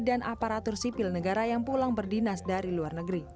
dan aparatur sipil negara yang pulang berdinas dari luar negeri